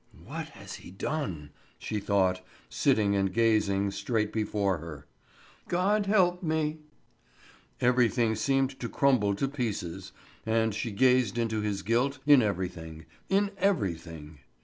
"What has he done?" she thought, sitting and gazing straight before her. "God help me!" Everything seemed to crumble to pieces, and she gazed into his guilt in everything, in everything!